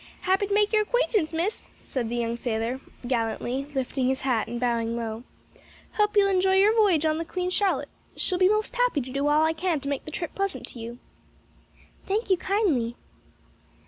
"Happy to make your acquaintance, Miss," said the young sailor, gallantly, lifting his hat and bowing low. "Hope you'll enjoy your voyage on the Queen Charlotte. Shall be most happy to do all I can to make the trip pleasant to you." "Thank you kindly."